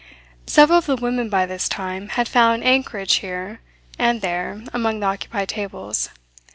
Several of the women, by this time, had found anchorage here and there among the occupied tables.